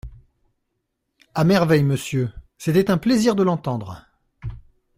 À merveille, monsieur ; c’était un plaisir de l’entendre.